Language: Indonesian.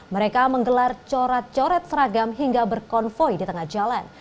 mereka menggelar coret coret seragam hingga berkonvoy di tengah jalan